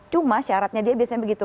cuma syaratnya dia biasanya begitu